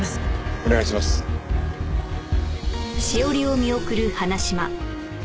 お願いします。